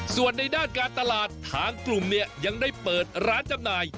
ส่วนในด้านการตลาดทางกลุ่มเนี่ยยังได้เปิดร้านจำหน่าย